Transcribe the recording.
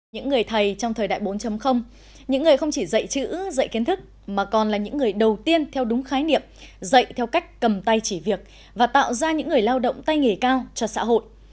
những người thầy trong thời đại bốn những người không chỉ dạy chữ dạy kiến thức mà còn là những người đầu tiên theo đúng khái niệm dạy theo cách cầm tay chỉ việc và tạo ra những người lao động tay nghề cao cho xã hội